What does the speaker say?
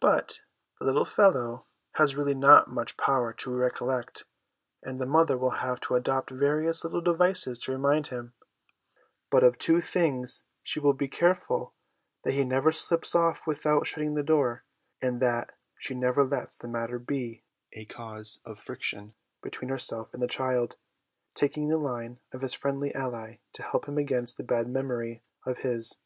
But the little fellow has really not much power to recollect, and the mother will have to adopt various little devices to remind him ; but of two things she will be careful that he never slips off without shutting the door, and that she never lets the matter be a cause of friction between herself and the child, taking the line of his friendly ally to help him against that bad memory of his.